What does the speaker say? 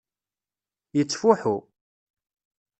Yettfuḥu.